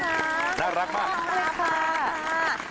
น่ารักมาก